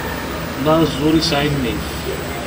Laẓ ur isɛi nnif.